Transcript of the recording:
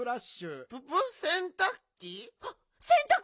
はっせんたく！